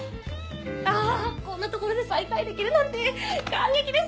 あこんな所で再会できるなんて感激です！